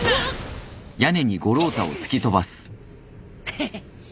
ヘヘヘッ。